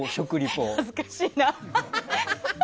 恥ずかしいな。